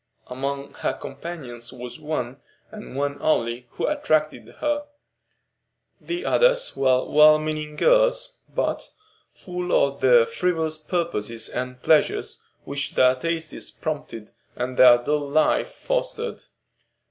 Among her companions was one, and one only, who attracted her. The others were well meaning girls, but full of the frivolous purposes and pleasures which their tastes prompted and their dull life fostered.